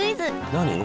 何？